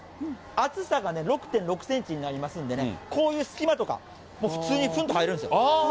厚さが６．６センチになりますんで、こういう隙間とか、普通にすんと入るんですよ。